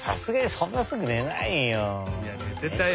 そんなすぐねないよ。